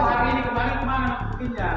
sekarang ini kembali ke mana